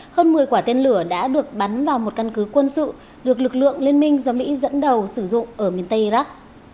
hơn một mươi quả tên lửa đã được bắn vào một căn cứ quân sự được lực lượng liên minh do mỹ dẫn đầu sử dụng ở miền tây iraq